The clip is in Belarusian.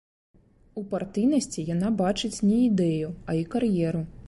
У партыйнасці яна бачыць не ідэю, а і кар'еру.